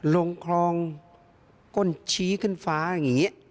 ลงคลองก้นชี้ขึ้นฟ้าอย่างนี้